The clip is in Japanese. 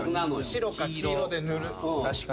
白か黄色で塗る。